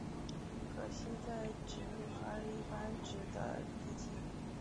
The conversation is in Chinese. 可惜在直路发力一般只得第七。